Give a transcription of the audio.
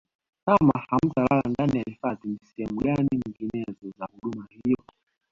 kama hamtalala ndani ya hifadhi ni sehemu gani nyinginezo za huduma hiyo